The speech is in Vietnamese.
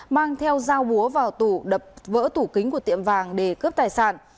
mang theo dao búa vào tủ đập vỡ tủ kính của tiệm vàng để cướp tài sản